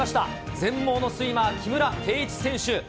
全盲のスイマー、木村敬一選手。